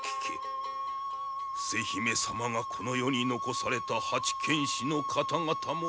伏姫様がこの世に残された八犬士の方々もお聞き召され。